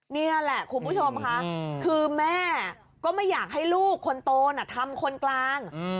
นี่แหละคุณผู้ชมค่ะคือแม่ก็ไม่อยากให้ลูกคนโตน่ะทำคนกลาง